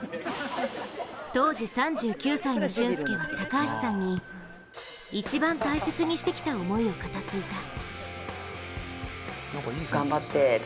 当時３９歳の俊輔は高橋さんに一番大切にしてきた思いを語っていた。